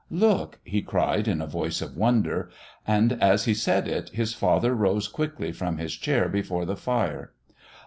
"Look!" he cried in a voice of wonder. And as he said it his father rose quickly from his chair before the fire.